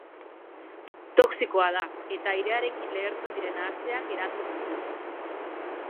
Toxikoa da, eta airearekin lehertzen diren nahasteak eratzen ditu.